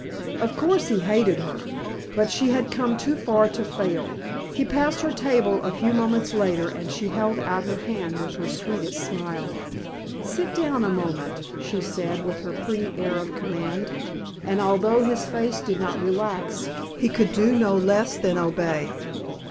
Of course he hated her. But she had come too far to fail. He passed her table a few moments later and she held out her hand with her sweetest smile. "Sit down a moment," she said with her pretty air of command; and although his face did not relax he could do no less than obey.